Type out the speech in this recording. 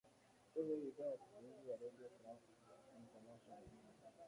ee idhaa ya kiswahili ya redio france international